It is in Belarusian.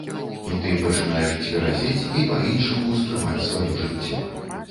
І ты пачынаеш цверазець і па-іншаму ўспрымаць сваё жыццё.